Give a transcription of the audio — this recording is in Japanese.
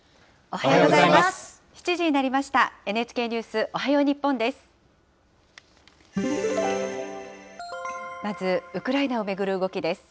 おはようございます。